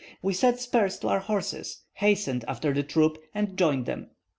We set spurs to our horses, hastened after the troop, and joined them.